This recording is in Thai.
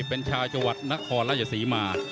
เป็นชาวจัวร์นครราชสีมา